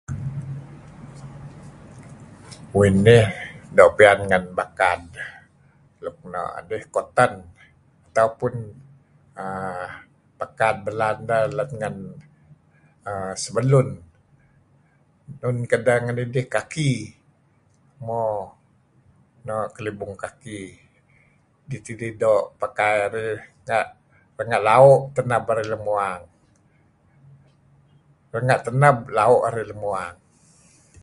Uih nih doo' piyan ngen bakad luk nah dih cotton ataupun uhm bakan belaan dah uhm sebelun. Enun kadeh ngen idih Khaki mo noh kelibung khaki dih tidih doo' pakai arih pangeh lau' arih lam uwang. Renga' tanab lau' arih lem uang.